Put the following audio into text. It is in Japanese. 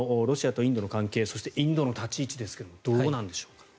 ロシアとインドの関係そして、インドの立ち位置ですがどうなんでしょうか？